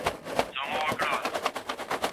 حقیقت خلګو ته ویل کیږي.